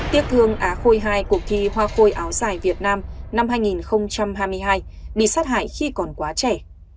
tiếc thương á khôi hai cuộc thi hoa khôi áo dài việt nam năm hai nghìn hai mươi hai bị sát hại khi còn quá trẻ